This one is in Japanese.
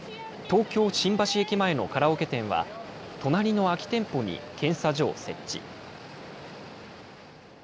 東京・新橋駅前のカラオケ店は、隣の空き店舗に検査所を設置。